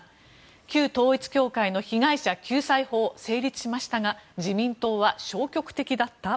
旧統一教会の被害者救済法成立しましたが自民党は消極的だった？